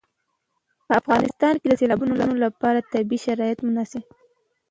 په افغانستان کې د سیلابونو لپاره طبیعي شرایط مناسب دي.